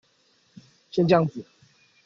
先醬子